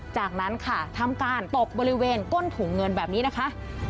จากนั้นค่ะทำการตกบริเวณก้นถุงเงินแบบนี้นะคะ